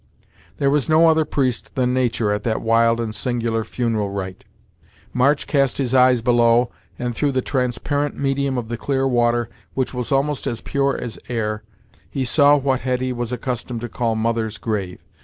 There was no other priest than nature at that wild and singular funeral rite. March cast his eyes below, and through the transparent medium of the clear water, which was almost as pure as air, he saw what Hetty was accustomed to call "mother's grave."